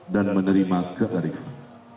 dan menerima kearifan